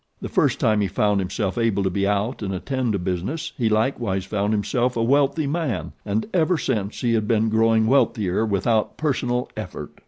The first time he found himself able to be out and attend to business he likewise found himself a wealthy man, and ever since he had been growing wealthier without personal effort.